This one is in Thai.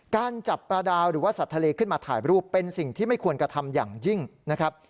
การจับปลาดาวหรือว่าสัตว์ทะเลขึ้นมาถ่ายรูปเป็นสิ่งที่ไม่ควรกระทำอย่างยิ่งนะครับ